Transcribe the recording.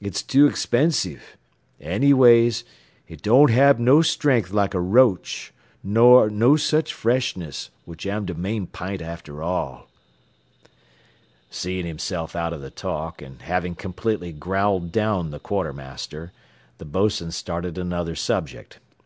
It's too expensive. Anyways, it doan' hab no strength like er roach, ner no sech freshness, which am de main pint after all." Seeing himself out of the talk, and having completely growled down the quartermaster, the bos'n started another subject.